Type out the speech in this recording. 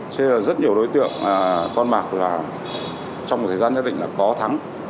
cho nên là rất nhiều đối tượng con mạc là trong một thời gian nhất định là có thắng